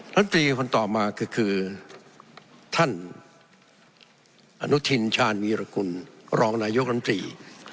รัฐมนตรีคนต่อมาคือท่านอนุทินชาญวีรกุลรองนายกรรมตรี